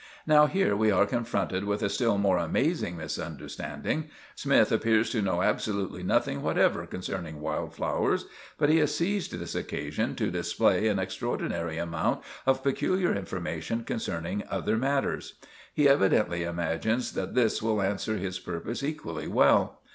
"Now, here we are confronted with a still more amazing misunderstanding. Smythe appears to know absolutely nothing whatever concerning wild flowers; but he has seized this occasion to display an extraordinary amount of peculiar information concerning other matters. He evidently imagines that this will answer his purpose equally well.